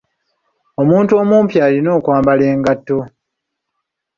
Omuntu omupi alina okwambala engatto.